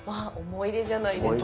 思い出じゃないですか。